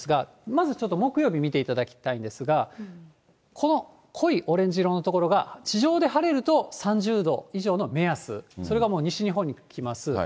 まずちょっと木曜日見ていただきたいんですが、この濃いオレンジ色の所が地上で晴れると３０度以上の目安、それがもう西日本に来ます。